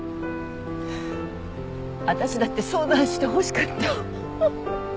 私だって相談してほしかった。